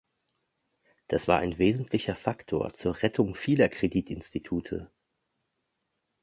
Das war ein wesentlicher Faktor zur Rettung vieler Kreditinstitute.